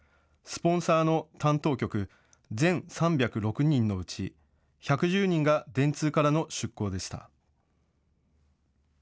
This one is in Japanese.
スポンサーの担当局、全３０６人のうち、１１０人が電通からの出向でした。